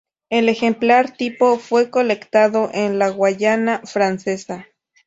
El ejemplar tipo fue colectado en la Guayana Francesa.